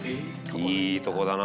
「いいとこだな」